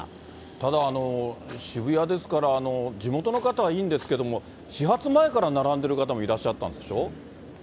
ただ渋谷ですから、地元の方はいいんですけれども、始発前から並んでる方もいらっしゃったんでしょ？